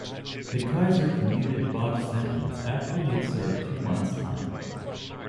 The Kaiser commuted Batsch's sentence after he had served two months' time.